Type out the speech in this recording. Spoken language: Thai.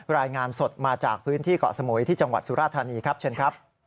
รายงานสดมาจากพื้นที่เกาะสมุยที่จังหวัดสุราธานีครับเชิญครับ